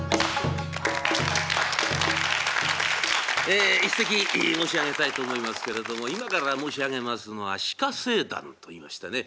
ええ一席申し上げたいと思いますけれども今から申し上げますのは「鹿政談」といいましてね